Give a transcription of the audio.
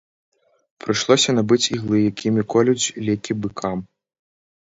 Прыйшлося набыць іглы, якімі колюць лекі быкам.